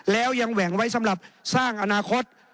แล้วยังแหว่งไว้สำหรับสร้างอนาคต